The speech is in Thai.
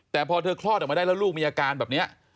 แต่พอเธอคลอดออกมาได้แล้วลูกมีอาการแบบนี้